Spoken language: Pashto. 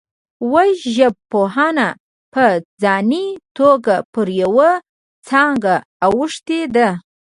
وژژبپوهنه په ځاني توګه پر یوه څانګه اوښتې ده